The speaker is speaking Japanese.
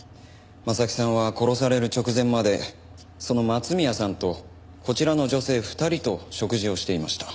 征木さんは殺される直前までその松宮さんとこちらの女性２人と食事をしていました。